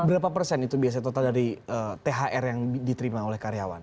berapa persen itu biasanya total dari thr yang diterima oleh karyawan